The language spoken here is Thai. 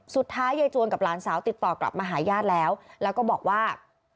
สุดท้ายยายจวนกับหลานสาวติดต่อกลับมาหาญาติแล้วแล้วก็บอกว่า